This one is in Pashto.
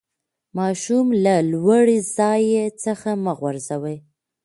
ماشوم له لوړي ځای څخه مه غورځوئ.